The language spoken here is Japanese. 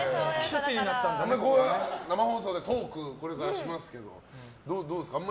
生放送でトークをこれからしますけどどうですか？